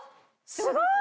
すごい！